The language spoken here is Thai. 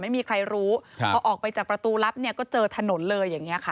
ไม่มีใครรู้พอออกไปจากประตูลับเนี่ยก็เจอถนนเลยอย่างนี้ค่ะ